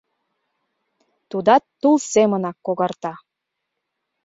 Тудат тул семынак когарта.